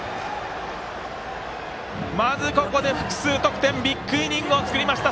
まずここで複数得点ビッグイニングを作りました！